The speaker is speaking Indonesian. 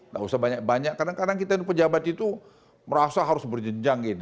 gak usah banyak banyak kadang kadang kita ini pejabat itu merasa harus berjenjang gitu